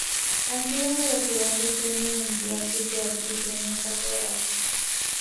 Ha sido merecedor del Premio Municipal de Teatro, y Premio Casa del Artista.